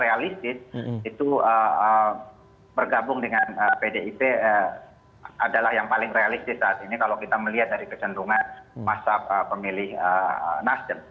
realistis itu bergabung dengan pdip adalah yang paling realistis saat ini kalau kita melihat dari kecenderungan masa pemilih nasdem